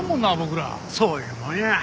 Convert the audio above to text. そういうもんや。